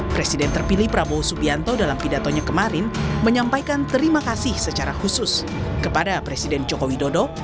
presiden terpilih prabowo subianto dalam pidatonya kemarin menyampaikan terima kasih secara khusus kepada presiden joko widodo